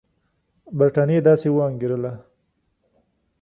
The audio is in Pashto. برټانیې داسې وانګېرله.